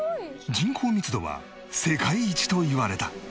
人口密度は世界一といわれた